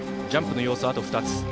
ジャンプの要素はあと２つ。